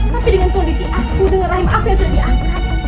tapi dengan kondisi aku dengan rahim aku yang sudah diangkat